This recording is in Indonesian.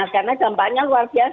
karena dampaknya luar biasa